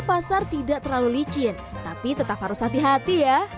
pasar tidak terlalu licin tapi tetap harus hati hati ya